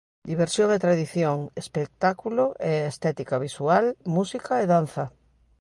Diversión e tradición, espectáculo e estética visual, música e danza.